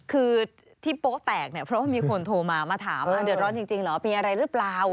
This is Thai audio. คือที่โป๊ะแตกเนี่ยเพราะว่ามีคนโทรมามาถามว่าเดือดร้อนจริงเหรอมีอะไรหรือเปล่า